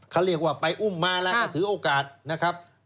เขาเรียกว่าไปอุ้มมาแล้วก็ถือโอกาสนะครับ